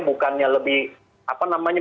bukannya lebih apa namanya